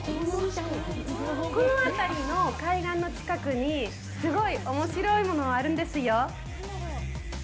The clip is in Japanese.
この辺りの海岸の近くにすごいおもしろいものがあるんですよ。